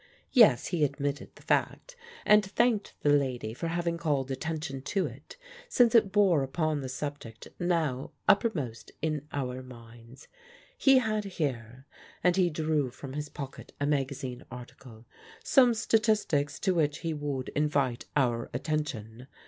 Yes, he admitted the fact, and thanked the lady for having called attention to it, since it bore upon the subject now uppermost in our minds. He had here" and he drew from his pocket a magazine article "some statistics to which he would invite our attention.